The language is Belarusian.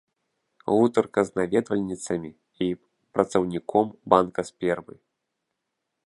Гутарка з наведвальніцамі і працаўніком банка спермы.